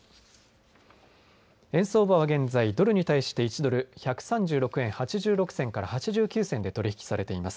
円相場は現在ドルに対して１ドル１３６円８６銭から８９銭で取り引きされています。